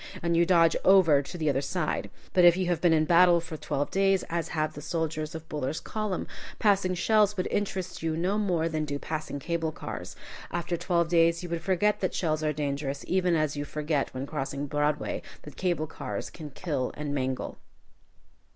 and you dodge over to the other side. But if you had been in battle for twelve days, as have the soldiers of Buller's column, passing shells would interest you no more than do passing cable cars. After twelve days you would forget that shells are dangerous even as you forget when crossing Broadway that cable cars can kill and mangle.